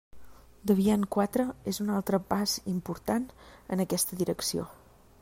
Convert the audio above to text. Debian quatre és un altre pas important en aquesta direcció.